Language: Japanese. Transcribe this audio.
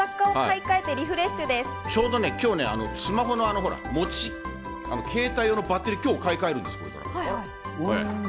ちょうど今日ね、スマホの携帯用のバッテリーを買い替えるんです。